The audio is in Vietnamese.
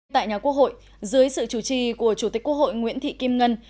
tại nhà quốc hội dưới sự chủ trì của chủ tịch quốc hội nguyễn thị kim ngân